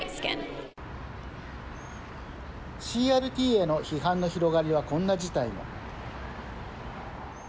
ＣＲＴへの批判の広がりはこんな事態も。